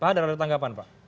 pak ada pertanggapan pak